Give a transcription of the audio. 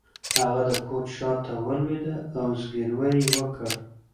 هغه د کوچ شاته ولویده او زګیروی یې وکړ